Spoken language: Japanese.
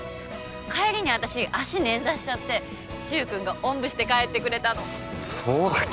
帰りに私足捻挫しちゃって柊くんがおんぶして帰ってくれたのそうだっけ？